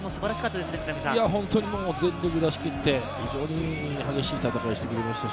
全力を出し切って、非常にいい戦いをしてくれました。